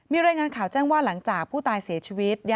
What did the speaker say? มีรายงานข่าวแจ้งว่าหลังจากผู้ตายเสียชีวิต